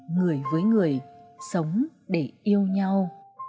người với người sống để yêu nhau